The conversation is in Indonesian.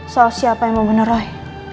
soal siapa yang membunuh roy